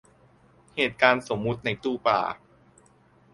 เหตุการณ์สมมติในตู้ปลา